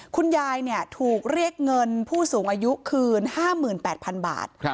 คุณยายถูกเรียกเงินผู้สูงอายุคืน๕๘๐๐๐บาท